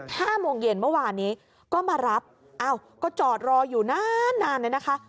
ห้าโมงเย็นเมื่อวานนี้ก็มารับอ้าวก็จอดรออยู่นานนานเลยนะคะ